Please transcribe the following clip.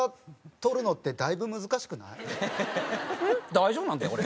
大丈夫なんだよ俺。